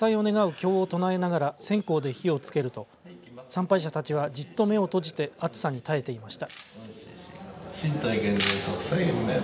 経を唱えながら線香で火をつけると参拝者たちは、じっと目を閉じて熱さに耐えていました。